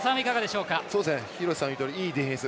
廣瀬さんの言うとおりいいディフェンス。